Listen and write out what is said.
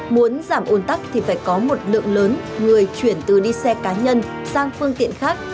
muốn giảm ồn tắc thì phải có một lượng lớn người chuyển từ đi xe cá nhân sang phương tiện khác